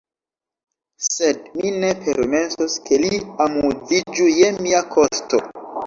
Sed mi ne permesos, ke li amuziĝu je mia kosto!